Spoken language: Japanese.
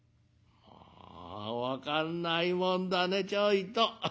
「ああ分かんないもんだねちょいと。